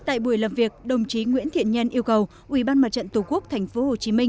tại buổi làm việc đồng chí nguyễn thiện nhân yêu cầu ủy ban mặt trận tổ quốc tp hcm